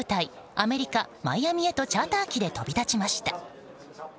アメリカ・マイアミへとチャーター機で飛び立ちました。